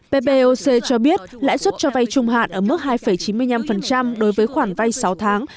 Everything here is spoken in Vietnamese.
ppoc cho biết lãi suất cho vay trung hạn ở mức hai chín mươi năm đối với khoản vay sáu tháng